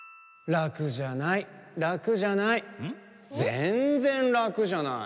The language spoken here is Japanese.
・ぜんぜんラクじゃない。